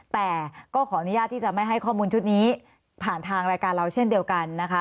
แต่ก็ขออนุญาตที่จะไม่ให้ข้อมูลชุดนี้ผ่านทางรายการเราเช่นเดียวกันนะคะ